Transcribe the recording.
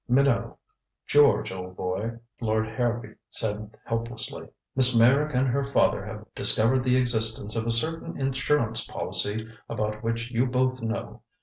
"Minot George, old boy," Lord Harrowby said helplessly. "Miss Meyrick and her father have discovered the existence of a certain insurance policy about which you both know.